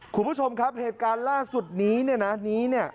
คุณผู้ชมครับเหตุการณ์ล่าสุดนี้เนี่ยนะนี้เนี่ย